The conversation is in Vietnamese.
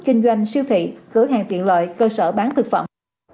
kinh doanh siêu thị cửa hàng tiện lợi cơ sở bán thực phẩm